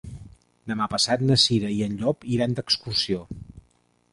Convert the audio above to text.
Demà passat na Cira i en Llop iran d'excursió.